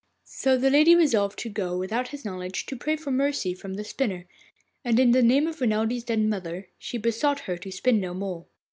So the lady resolved to go without his knowledge to pray for mercy from the spinner, and in the name of Renelde's dead mother she besought her to spin no more.